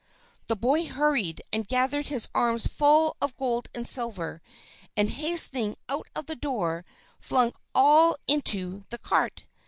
The boy hurried, and gathered his arms full of gold and silver, and hastening out of the door, flung all into the cart.